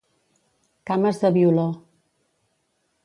Cames de violó.